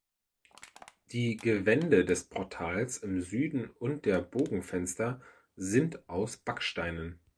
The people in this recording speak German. Die Gewände des Portals im Süden und der Bogenfenster sind aus Backsteinen.